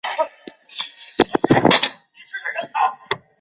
西雅图市中心公交隧道。